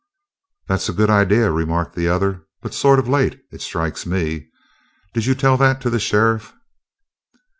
"That's a good idea," remarked the other, "but sort of late, it strikes me. Did you tell that to the sheriff?"